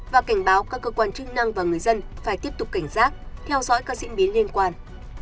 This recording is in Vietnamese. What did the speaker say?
và cảnh báo các cơ quan chức năng và người dân phải tiếp tục cảnh giác theo dõi các diễn biến liên quan